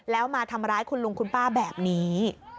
แล้วมาทำร้ายคุณลุงคุณป้าแบบนี้